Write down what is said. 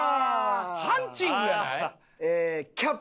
ハンチングやない？